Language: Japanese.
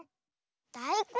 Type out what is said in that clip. だいこん？